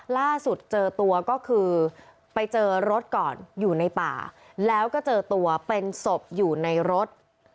ล่าสุดเจอตัวก็คือไปเจอรถก่อนอยู่ในป่าแล้วก็เจอตัวเป็นศพอยู่ในรถ